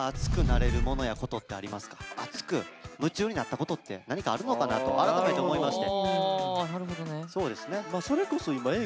アツく夢中になったことって何かあるのかなと改めて思いまして。